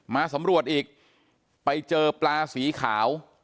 มาสำรวจอีกไปเจอปลาสีขาว